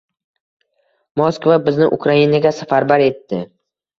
Moskva bizni Ukrainaga safarbar etdi.